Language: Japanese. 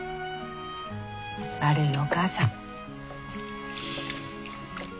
悪いお母さん。